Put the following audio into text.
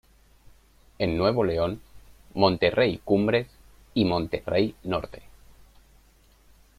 En Nuevo León: Monterrey Cumbres y Monterrey Norte.